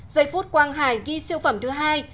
giây phút quang hải ghi siêu phẩm thứ hai